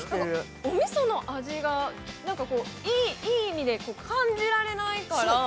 ◆おみその味がなんかこう、いい意味で感じられないから。